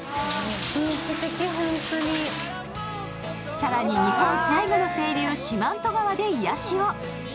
更に、日本最後の清流、四万十川で癒やしを。